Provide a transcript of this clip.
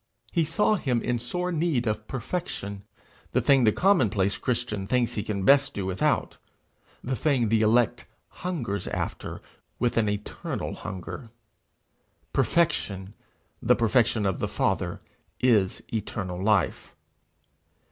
He saw him in sore need of perfection the thing the commonplace Christian thinks he can best do without the thing the elect hungers after with an eternal hunger. Perfection, the perfection of the Father, is eternal life.